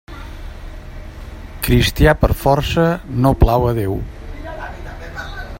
Cristià per força no plau a Déu.